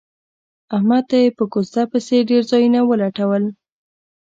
احمد ته یې په کوزده پسې ډېر ځایونه ولټول.